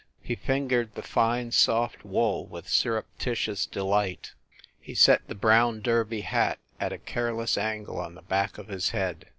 He fingered the fine, soft wool with surreptitious delight. He set the brown derby hat at a careless angle on the back of his head.